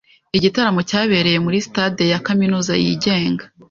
igitaramo cyabereye muri stade ya kaminuza yigenga